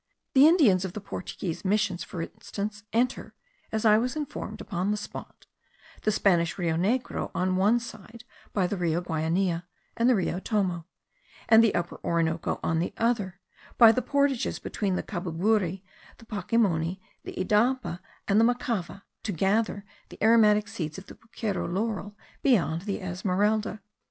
The Indians of the Portuguese missions, for instance, enter (as I was informed upon the spot) the Spanish Rio Negro on one side by the Rio Guainia and the Rio Tomo; and the Upper Orinoco on the other, by the portages between the Cababuri, the Pacimoni, the Idapa, and the Macava, to gather the aromatic seeds of the puchero laurel beyond the Esmeralda.